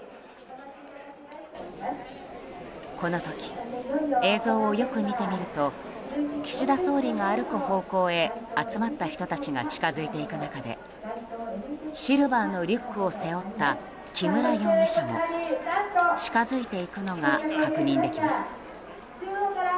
この時、映像をよく見てみると岸田総理が歩く方向へ集まった人たちが近づいていく中でシルバーのリュックを背負った木村容疑者も近づいていくのが確認できます。